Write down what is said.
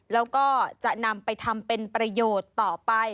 แล้วก็จะนำไปทำเป็นประโยชน์ต่อไป